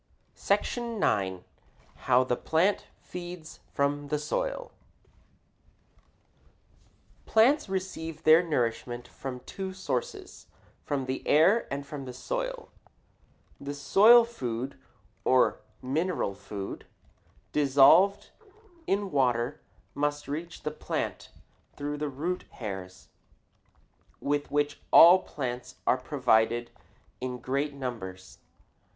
SECTION IX. HOW THE PLANT FEEDS FROM THE SOIL Plants receive their nourishment from two sources from the air and from the soil. The soil food, or mineral food, dissolved in water, must reach the plant through the root hairs with which all plants are provided in great numbers.